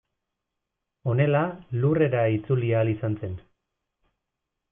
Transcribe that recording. Honela Lurrera itzuli ahal izan zen.